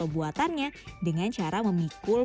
bukan hanya masyarakat umum